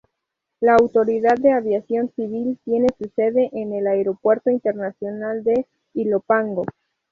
La Autoridad de Aviación Civil tiene su sede en el Aeropuerto Internacional de Ilopango.